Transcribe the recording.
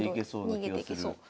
逃げていけそう。